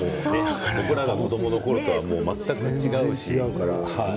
僕らが子どものころとは全く違うし。